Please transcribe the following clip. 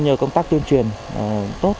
nhờ công tác tuyên truyền tốt